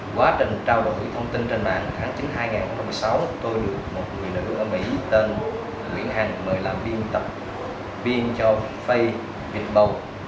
quá trình trao đổi thông tin trên mạng tháng chín năm hai nghìn một mươi sáu tôi được một người nữ ở mỹ tên nguyễn hằng mời làm viên tập viên cho facebook việt bầu